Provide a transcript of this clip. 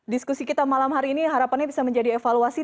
diskusi kita malam hari ini harapannya bisa menjadi evaluasi